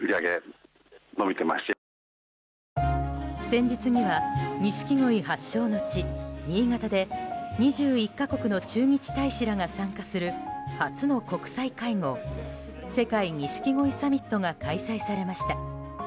先日にはニシキゴイ発祥の地・新潟で２１か国の駐日大使らが参加する初の国際会合世界錦鯉サミットが開催されました。